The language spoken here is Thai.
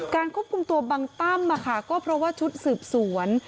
ควบคุมตัวบังตั้มก็เพราะว่าชุดสืบสวน